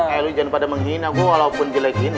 eh lo jangan pada menghina gue walaupun jelek gini